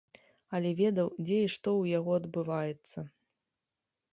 Але ведаў, дзе і што ў яго адбываецца.